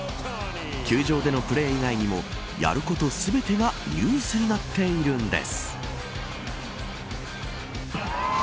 球場でのプレー以外にもやること全てがニュースになっているんです。